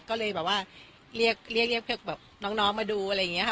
ก็เลยแบบว่าเรียกเรียกพวกแบบน้องมาดูอะไรอย่างนี้ค่ะ